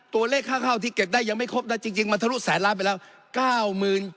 ตัวเลขค่าข้าวที่เก็บได้ยังไม่ครบนะจริงมันทะลุแสนล้านไปแล้ว